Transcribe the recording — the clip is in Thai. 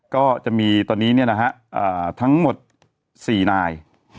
ก็จะมีตอนนี้ทั้งหมด๔นาย